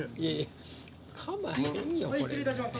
失礼いたします